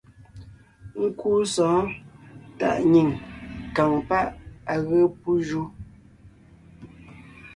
Nkúu sɔ̌ɔn tàʼ nyìŋ kàŋ páʼ à ge pú ju.